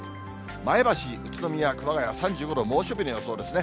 前橋、宇都宮、熊谷３５度、猛暑日の予想ですね。